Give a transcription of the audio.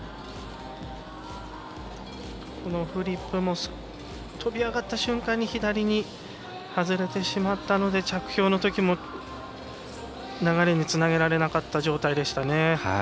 フリップも、跳び上がった瞬間に左に外れてしまったので着氷のときも流れにつなげられなかった状態ですね。